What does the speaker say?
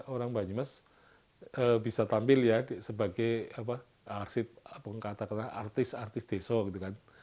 orang banyumas bisa tampil ya sebagai artis artis deso gitu kan